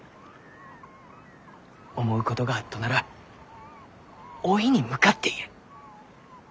思うことがあっとならおいに向かって言え。